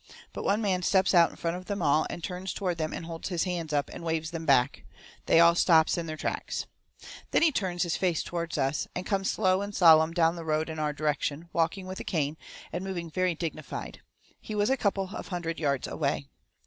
But one man steps out in front of them all, and turns toward them and holds his hands up, and waves them back. They all stops in their tracks. Then he turns his face toward us, and comes slow and sollum down the road in our direction, walking with a cane, and moving very dignified. He was a couple of hundred yards away.